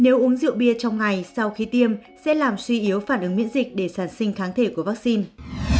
nếu uống rượu bia trong ngày sau khi tiêm sẽ làm suy yếu phản ứng miễn dịch để sản sinh kháng thể của vaccine